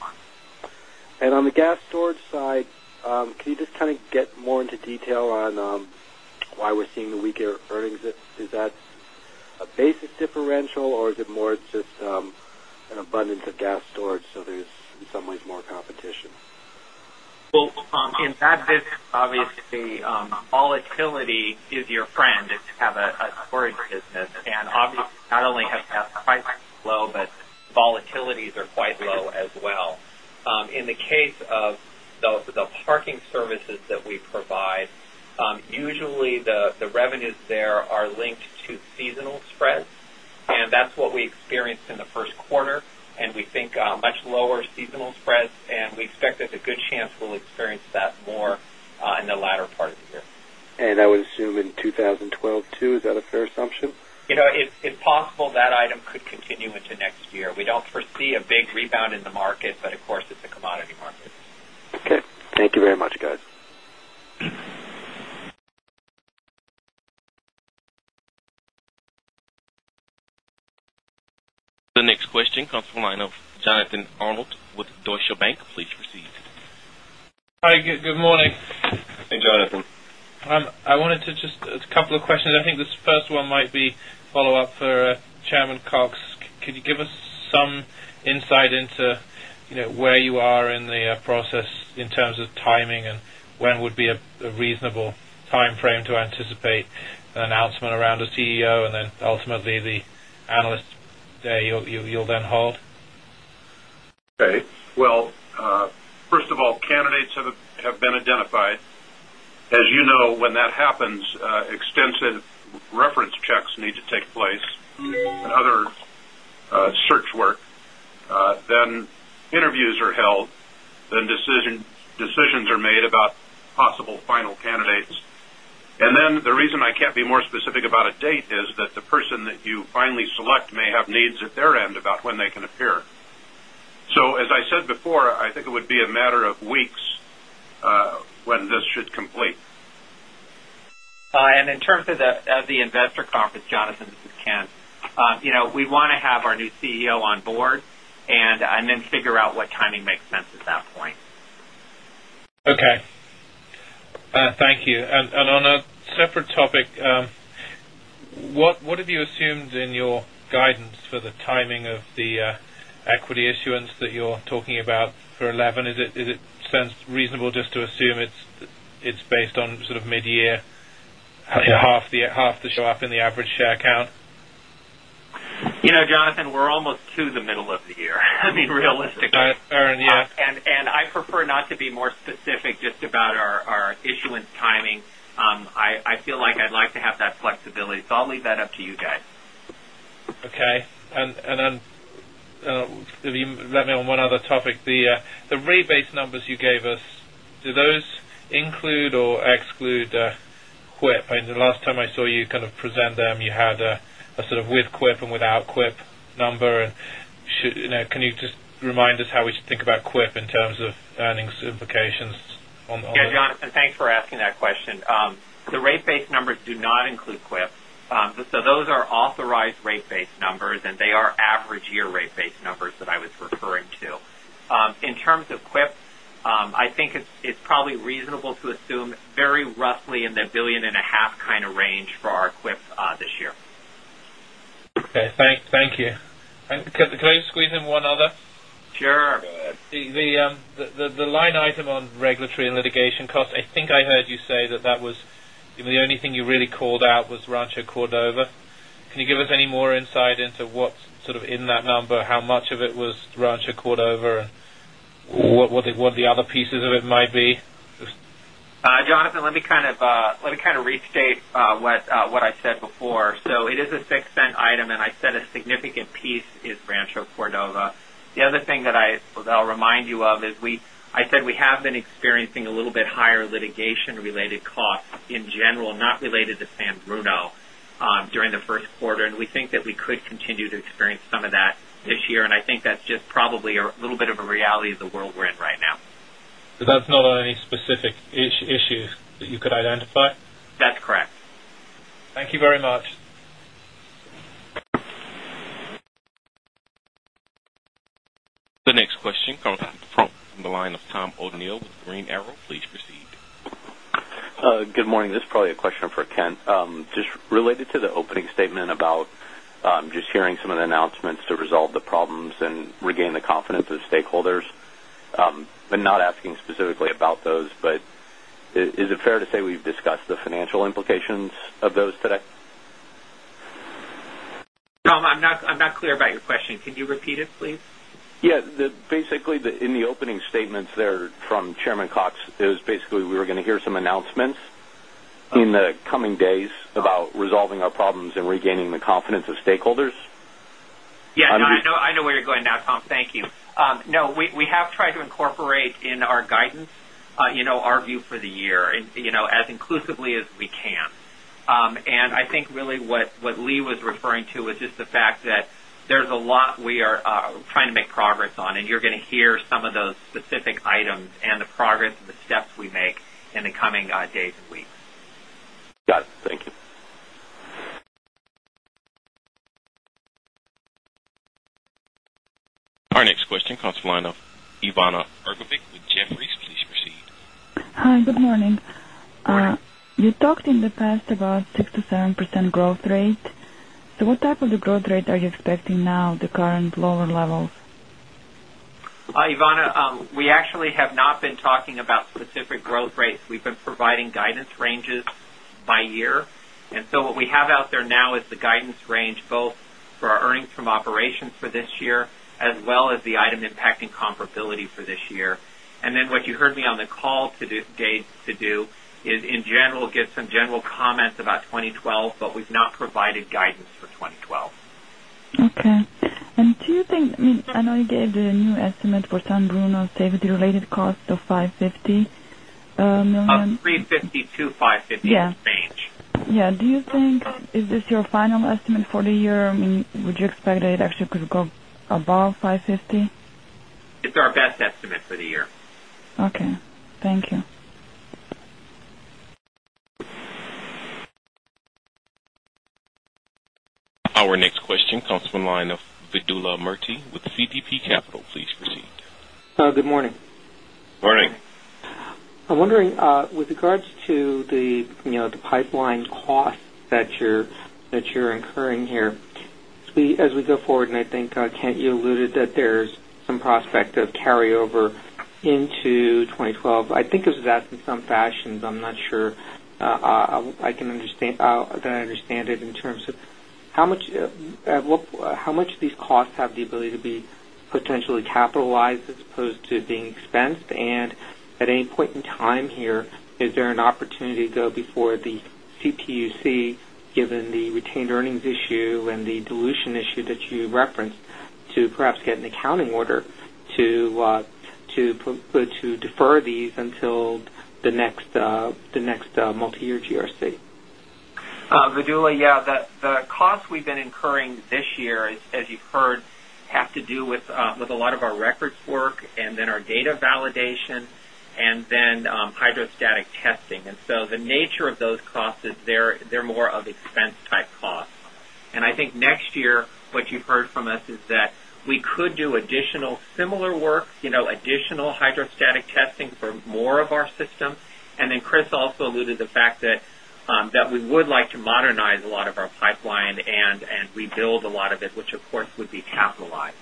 Speaker 11: On the gas storage side, can you just get more into detail on why we're seeing the weaker earnings? Is that a basis differential, or is it more just an abundance of gas storage? There's in some ways more competition?
Speaker 5: In that business, obviously, volatility is your friend if you have a storage business. Obviously, not only have gas prices been low, but volatilities are quite low as well. In the case of the parking services that we provide, usually the revenues there are linked to seasonal spreads. That's what we experienced in the first quarter. We think much lower seasonal spreads, and we expect there's a good chance we'll experience that more in the latter part of the year.
Speaker 11: I would assume in 2012, too. Is that a fair assumption? You know.
Speaker 5: If possible, that item could continue into next year. We don't foresee a big rebound in the market, of course, it's a commodity market.
Speaker 11: Okay, thank you very much, guys.
Speaker 1: The next question comes from the line of Jonathan Arnold with Deutsche Bank. Please proceed.
Speaker 12: Hi. Good morning.
Speaker 3: Hey, Jonathan.
Speaker 12: I wanted to ask a couple of questions. I think this first one might be a follow-up for Chairman Cox. Could you give us some insight into where you are in the process in terms of timing, and when would be a reasonable timeframe to anticipate an announcement around a CEO and then ultimately the analysts' day you'll then hold?
Speaker 4: First of all, candidates have been identified. As you know, when that happens, extensive reference checks need to take place and other search work. Interviews are held, and decisions are made about possible final candidates. The reason I can't be more specific about a date is that the person that you finally select may have needs at their end about when they can appear. As I said before, I think it would be a matter of weeks when this should complete.
Speaker 5: In terms of the investor conference, Jonathan, this is Kent. We want to have our new CEO on board and then figure out what timing makes sense at that point.
Speaker 12: Okay. Thank you. On a separate topic, what have you assumed in your guidance for the timing of the equity issuance that you're talking about for 2011? Is it reasonable just to assume it's based on sort of mid-year, half the share in the average share count?
Speaker 5: You know, Jonathan, we're almost to the middle of the year. I mean, realistically.
Speaker 12: Alright, yeah.
Speaker 5: I prefer not to be more specific just about our issuance timing. I feel like I'd like to have that flexibility, so I'll leave that up to you guys.
Speaker 12: Okay. Let me on one other topic. The rate-based numbers you gave us, do those include or exclude the QIP? I mean, the last time I saw you kind of present them, you had a sort of with QIP and without QIP number. Can you just remind us how we should think about QIP in terms of earnings certifications?
Speaker 5: Yeah, Jonathan, thanks for asking that question. The rate-based numbers do not include QIP. Those are authorized rate-based numbers, and they are average-year rate-based numbers that I was referring to. In terms of QIP, I think it's probably reasonable to assume very roughly in the $1.5 billion kind of range for our QIP this year.
Speaker 12: Thank you. Can I just squeeze in one other?
Speaker 5: Sure.
Speaker 12: The line item on regulatory and litigation costs, I think I heard you say that that was the only thing you really called out was Rancho Cordova. Can you give us any more insight into what's sort of in that number, how much of it was Rancho Cordova, and what the other pieces of it might be?
Speaker 5: Jonathan, let me restate what I said before. It is a $0.06 item, and I said a significant piece is Rancho Cordova. The other thing that I'll remind you of is I said we have been experiencing a little bit higher litigation-related costs in general, not related to San Bruno, during the first quarter. We think that we could continue to experience some of that this year. I think that's just probably a little bit of a reality of the world we're in right now.
Speaker 12: That is not a specific issue that you could identify?
Speaker 5: That's correct.
Speaker 12: Thank you very much.
Speaker 1: The next question comes from the line of Tom O'Neill with Green Arrow. Please proceed.
Speaker 13: Good morning. This is probably a question for Kent. Just related to the opening statement about just hearing some of the announcements to resolve the problems and regain the confidence of stakeholders, not asking specifically about those. Is it fair to say we've discussed the financial implications of those today?
Speaker 5: Tom, I'm not clear about your question. Can you repeat it, please?
Speaker 13: Yeah. Basically, in the opening statements there from Chairman Cox, it was basically we were going to hear some announcements in the coming days about resolving our problems and regaining the confidence of stakeholders.
Speaker 5: Yeah, I know where you're going now, Tom. Thank you. No, we have tried to incorporate in our guidance our view for the year, as inclusively as we can. I think really what Lee was referring to was just the fact that there's a lot we are trying to make progress on, and you're going to hear some of those specific items and the progress of the steps we make in the coming days and weeks.
Speaker 13: Got it. Thank you.
Speaker 1: Our next question comes from the line of Ivana Ergovic with Jefferies. Please proceed.
Speaker 14: Hi. Good morning. You talked in the past about 6%-7% growth rate. What type of growth rate are you expecting now, the current lower level?
Speaker 5: Ivana, we actually have not been talking about specific growth rates. We've been providing guidance ranges by year. What we have out there now is the guidance range both for our earnings from operations for this year as well as the item impacting comparability for this year. What you heard me on the call today to do is, in general, get some general comments about 2012, but we've not provided guidance for 2012.
Speaker 14: Okay. Do you think, I mean, I know you gave the new estimate for San Bruno's safety-related cost of $550 million?
Speaker 5: $350 million-$550 million range.
Speaker 14: Yeah. Do you think is this your final estimate for the year? I mean, would you expect that it actually could go above $550 million?
Speaker 5: It's our best estimate for the year.
Speaker 14: Okay, thank you.
Speaker 1: Our next question comes from the line of Vedula Murti with CDP Capital. Please proceed.
Speaker 15: Good morning.
Speaker 3: Morning.
Speaker 15: I'm wondering, with regards to the pipeline costs that you're incurring here as we go forward, and I think, Kent, you alluded that there's some prospect of carryover into 2012. I think of that in some fashions. I'm not sure I can understand that I understand it in terms of how much of these costs have the ability to be potentially capitalized as opposed to being expensed. At any point in time here, is there an opportunity to go before the CPUC, given the retained earnings issue and the dilution issue that you referenced, to perhaps get an accounting order to defer these until the next multi-year GRC?
Speaker 5: Vedula, yeah. The costs we've been incurring this year, as you've heard, have to do with a lot of our records work and then our data validation and then hydrostatic testing. The nature of those costs, they're more of expense-type costs. I think next year, what you've heard from us is that we could do additional similar work, you know, additional hydrostatic testing for more of our systems. Chris also alluded to the fact that we would like to modernize a lot of our pipeline and rebuild a lot of it, which, of course, would be capitalized.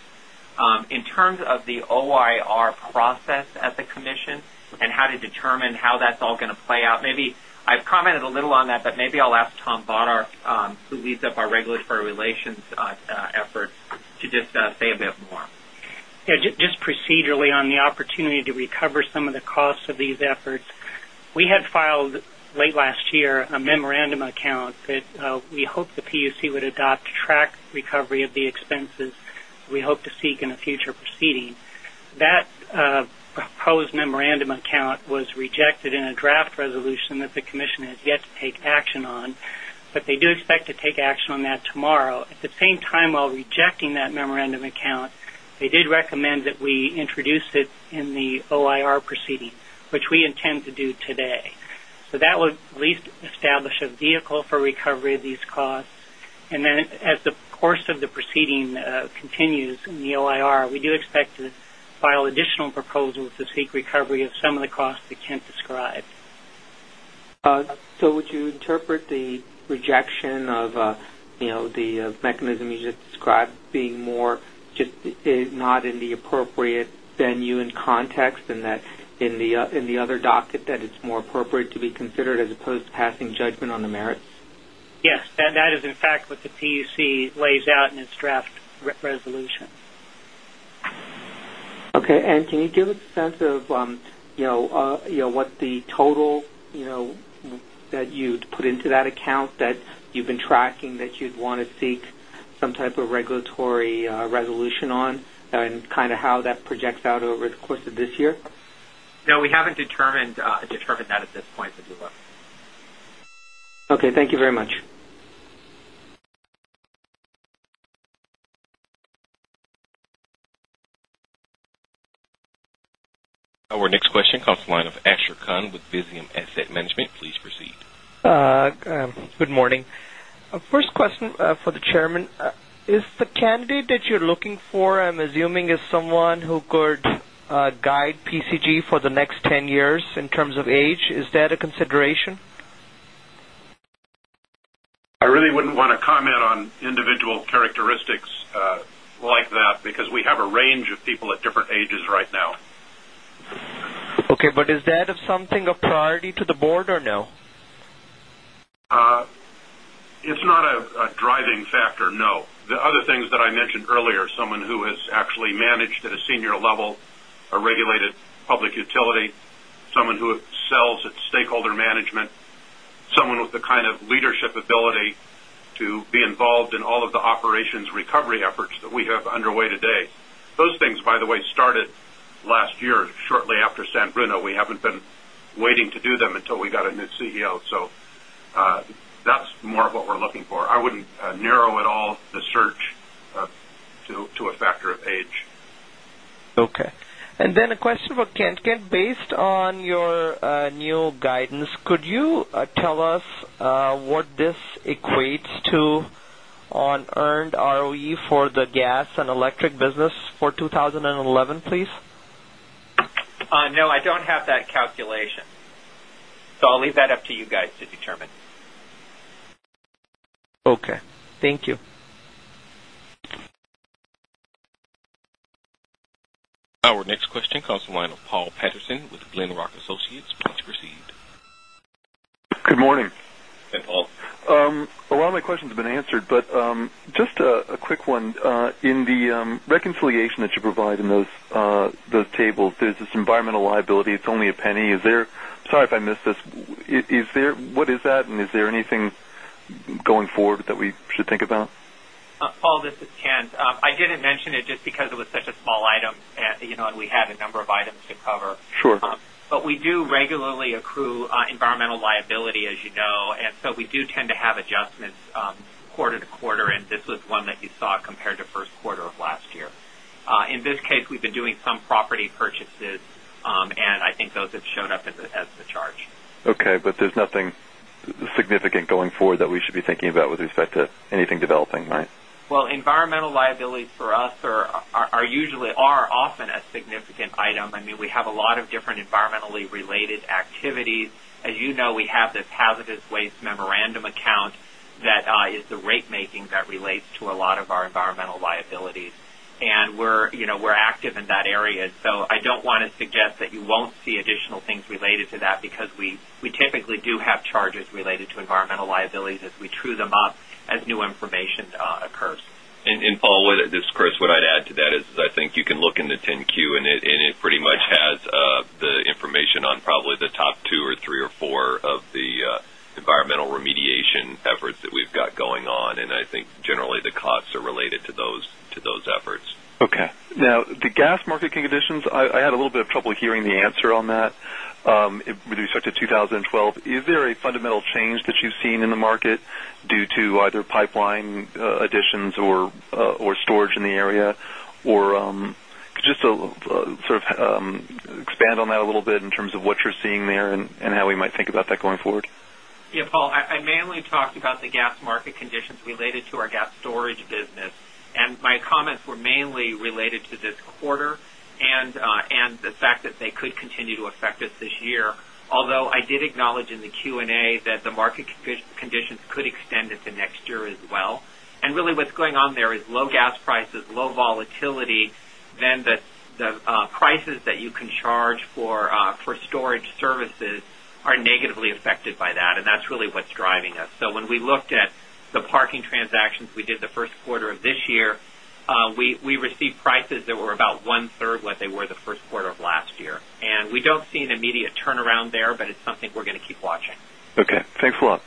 Speaker 5: In terms of the OIR process at the commission and how to determine how that's all going to play out, maybe I've commented a little on that, but maybe I'll ask Tom Bottorff, who leads up our regulatory relations efforts, to just say a bit more.
Speaker 16: Yeah. Just procedurally on the opportunity to recover some of the costs of these efforts, we had filed late last year a memorandum account that we hope the CPUC would adopt to track the recovery of the expenses we hope to seek in a future proceeding. That proposed memorandum account was rejected in a draft resolution that the commission has yet to take action on, but they do expect to take action on that tomorrow. At the same time, while rejecting that memorandum account, they did recommend that we introduce it in the OIR proceeding, which we intend to do today. That would at least establish a vehicle for recovery of these costs. As the course of the proceeding continues in the OIR, we do expect to file additional proposals to seek recovery of some of the costs that Kent described.
Speaker 15: Would you interpret the rejection of the mechanism you just described as being more just not in the appropriate venue and context, and that in the other docket it's more appropriate to be considered as opposed to passing judgment on the merits?
Speaker 16: Yes, that is, in fact, what CPUC lays out in its draft resolution.
Speaker 15: Okay. Can you give us a sense of what the total that you put into that account that you've been tracking that you'd want to seek some type of regulatory resolution on, and kind of how that projects out over the course of this year?
Speaker 5: No, we haven't determined that at this point, Vedula.
Speaker 15: Okay, thank you very much.
Speaker 1: Our next question comes from the line of Asher Khan with Visium Asset Management. Please proceed.
Speaker 17: Good morning. First question for the Chairman. Is the candidate that you're looking for, I'm assuming, is someone who could guide PCG for the next 10 years? In terms of age, is that a consideration?
Speaker 4: I really wouldn't want to comment on individual characteristics like that, because we have a range of people at different ages right now.
Speaker 17: Is that something of priority to the board or no?
Speaker 4: It's not a driving factor, no. The other things that I mentioned earlier, someone who has actually managed at a senior level a regulated public utility, someone who excels at stakeholder management, someone with the kind of leadership ability to be involved in all of the operations recovery efforts that we have underway today. Those things, by the way, started last year shortly after San Bruno. We haven't been waiting to do them until we got a new CEO. That's more of what we're looking for. I wouldn't narrow at all the search to a factor of age.
Speaker 17: Okay. A question for Kent. Kent, based on your new guidance, could you tell us what this equates to on earned ROE for the gas and electric business for 2011, please?
Speaker 5: No, I don't have that calculation. I'll leave that up to you guys to determine.
Speaker 17: Okay, thank you.
Speaker 1: Our next question comes from the line of Paul Patterson with Glenrock Associates. Please proceed.
Speaker 18: Good morning.
Speaker 2: Hey, Paul.
Speaker 18: A lot of my questions have been answered, but just a quick one. In the reconciliation that you provide in those tables, there's this environmental liability. It's only $0.01. Is there, sorry if I missed this, is there, what is that, and is there anything going forward that we should think about?
Speaker 5: Paul, this is Kent. I didn't mention it just because it was such a small item, you know, and we had a number of items to cover.
Speaker 18: Sure.
Speaker 5: We do regularly accrue environmental liability, as you know, so we do tend to have adjustments quarter to quarter, and this was one that you saw compared to the first quarter of last year. In this case, we've been doing some property purchases, and I think those have shown up as the charge.
Speaker 18: Okay, there's nothing significant going forward that we should be thinking about with respect to anything developing, right?
Speaker 5: Environmental liabilities for us are usually, are often a significant item. I mean, we have a lot of different environmentally related activities. As you know, we have this hazardous waste memorandum account that is the rate making that relates to a lot of our environmental liabilities. We're active in that area. I don't want to suggest that you won't see additional things related to that because we typically do have charges related to environmental liabilities as we true them up as new information occurs.
Speaker 3: Paul, this is Chris, what I'd add to that is I think you can look in the 10-Q, and it pretty much has the information on probably the top two or three or four of the environmental remediation efforts that we've got going on. I think generally, the costs are related to those efforts.
Speaker 18: Okay. Now, the gas market conditions, I had a little bit of trouble hearing the answer on that with respect to 2012. Is there a fundamental change that you've seen in the market due to either pipeline additions or storage in the area? Could you just sort of expand on that a little bit in terms of what you're seeing there and how we might think about that going forward?
Speaker 5: Yeah, Paul, I mainly talked about the gas market conditions related to our gas storage business. My comments were mainly related to this quarter and the fact that they could continue to affect us this year. I did acknowledge in the Q&A that the market conditions could extend into next year as well. Really, what's going on there is low gas prices, low volatility, and the prices that you can charge for storage services are negatively affected by that. That's really what's driving us. When we looked at the parking transactions we did the first quarter of this year, we received prices that were about 1/3 what they were the first quarter of last year. We don't see an immediate turnaround there, but it's something we're going to keep watching.
Speaker 18: Okay, thanks for that.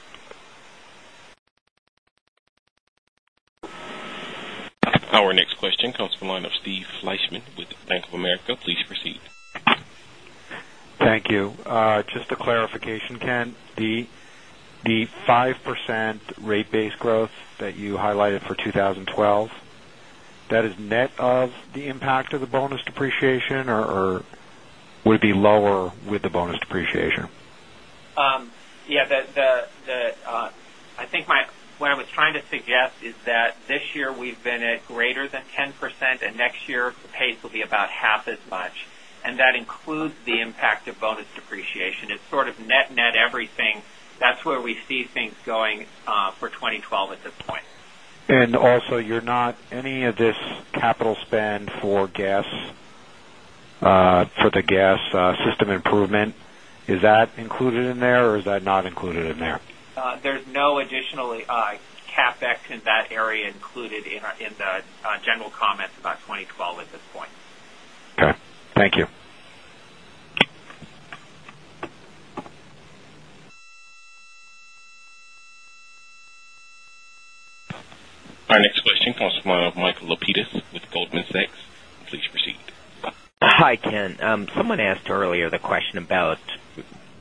Speaker 1: Our next question comes from the line of Steve Fleishman with Bank of America. Please proceed.
Speaker 6: Thank you. Just a clarification, Kent, the 5% rate-based growth that you highlighted for 2012, that is net of the impact of the bonus depreciation, or would it be lower with the bonus depreciation?
Speaker 5: I think what I was trying to suggest is that this year we've been at greater than 10%, and next year, the pace will be about half as much. That includes the impact of bonus depreciation. It's sort of net net everything. That's where we see things going for 2012 at this point.
Speaker 6: Are any of the capital spend for the gas system improvement included in there, or is that not included in there?
Speaker 5: There's no additional CapEx in that area included in the general comments about 2012 at this point.
Speaker 6: Okay, thank you.
Speaker 1: Our next question comes from Michael Lapidus with Goldman Sachs. Please proceed.
Speaker 10: Hi, Kent. Someone asked earlier the question about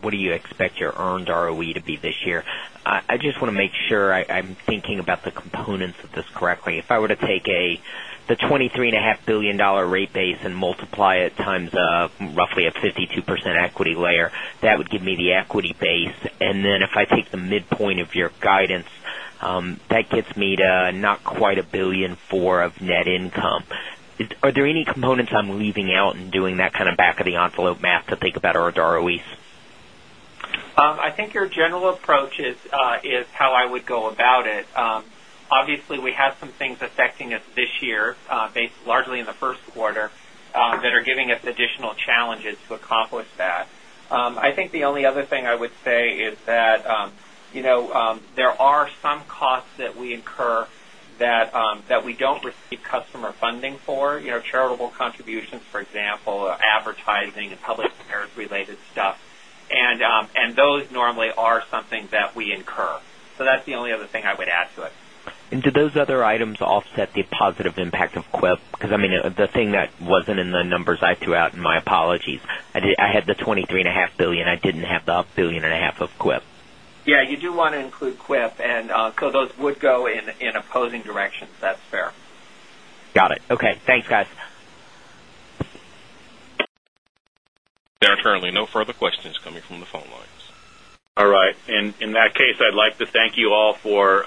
Speaker 10: what do you expect your earned ROE to be this year. I just want to make sure I'm thinking about the components of this correctly. If I were to take the $23.5 billion rate base and multiply it times roughly a 52% equity layer, that would give me the equity base. If I take the midpoint of your guidance, that gets me to not quite $1.4 billion of net income. Are there any components I'm leaving out in doing that kind of back-of-the-envelope math to think about earned ROEs?
Speaker 5: I think your general approach is how I would go about it. Obviously, we have some things affecting us this year, based largely in the first quarter, that are giving us additional challenges to accomplish that. The only other thing I would say is that, you know, there are some costs that we incur that we don't receive customer funding for, you know, charitable contributions, for example, advertising and public affairs-related stuff. Those normally are something that we incur. That's the only other thing I would add to it.
Speaker 10: Do those other items offset the positive impact of QIP? I mean, the thing that wasn't in the numbers I threw out, and my apologies, I had the $23.5 billion. I didn't have the $1.5 billion of QIP.
Speaker 5: Yeah, you do want to include QIP, and so those would go in opposing directions. That's fair.
Speaker 10: Got it. Okay, thanks, guys.
Speaker 1: There are currently no further questions coming from the phone lines.
Speaker 4: All right, in that case, I'd like to thank you all for.